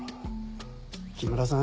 木村さん